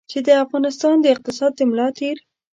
چې د افغانستان د اقتصاد ملا تېر.